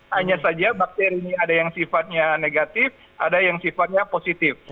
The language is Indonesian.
hanya saja bakteri ini ada yang sifatnya negatif ada yang sifatnya positif